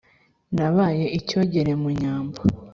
nabaye icyogere mu nyambo